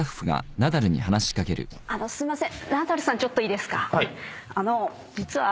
あのすいません。